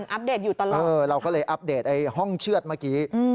อัปเดตอยู่ตลอดเราก็เลยอัปเดตห้องเชื่อดเมื่อกี้